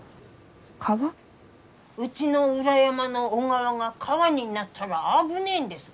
うちの裏山の小川が川になったら危ねえんです。